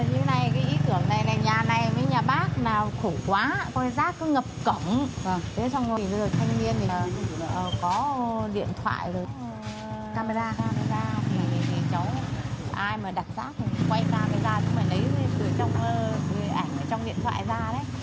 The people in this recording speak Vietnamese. cũng phải lấy từ trong ảnh từ trong điện thoại ra đấy